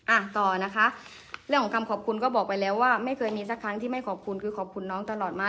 อ่ะต่อนะคะเรื่องของคำขอบคุณก็บอกไปแล้วว่าไม่เคยมีสักครั้งที่ไม่ขอบคุณคือขอบคุณน้องตลอดมา